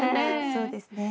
そうですね。